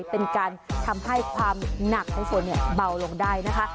เป็นการทำให้ความหนักของฝนเบาลงได้นะคะ